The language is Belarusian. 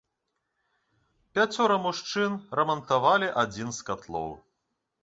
Пяцёра мужчын рамантавалі адзін з катлоў.